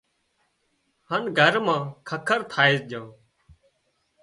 هانَ گھر مان ککر ٿئي جھان